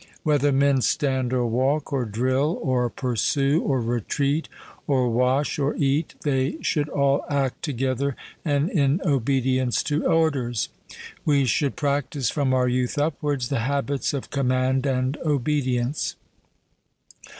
Whether men stand or walk, or drill, or pursue, or retreat, or wash, or eat, they should all act together and in obedience to orders. We should practise from our youth upwards the habits of command and obedience.